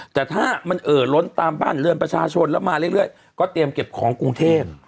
แต่ถ้ามันเอ่อล้นตามบ้านเรือนประชาชนแล้วมาเรื่อยก็เตรียมเก็บของกรุงเทพ